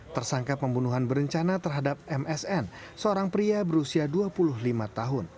tersangka pembunuhan berencana terhadap msn seorang pria berusia dua puluh lima tahun